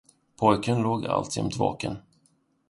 Pojken låg alltjämt vaken.